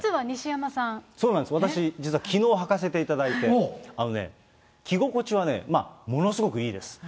そうなんです、実は私、きのう、はかせていただいて、あのね、着心地はまあ、ものすごくいいです。